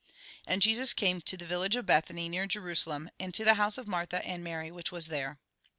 And Jesus came to the village of Bethany, near Jerusalem, and to the house of Martha and Mary which was there.